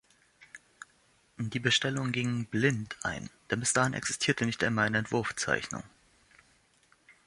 Die Bestellungen gingen „blind“ ein, denn bis dahin existierte nicht einmal eine Entwurfszeichnung.